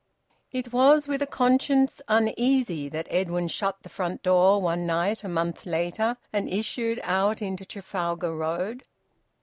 It was with a conscience uneasy that Edwin shut the front door one night a month later, and issued out into Trafalgar Road.